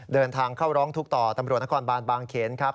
เดินทางเข้าร้องทุกข์ต่อตำรวจนครบานบางเขนครับ